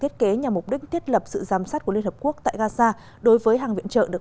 thiết kế nhằm mục đích thiết lập sự giám sát của liên hợp quốc tại gaza đối với hàng viện trợ được